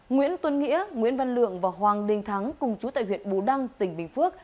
nguyễn tuấn nghĩa nguyễn văn lượng và hoàng đình thắng cùng chú tại huyện bù đăng tỉnh bình phước